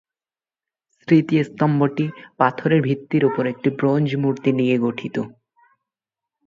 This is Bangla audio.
স্মৃতিস্তম্ভটি পাথরের ভিত্তির উপর একটি ব্রোঞ্জ মূর্তি নিয়ে গঠিত।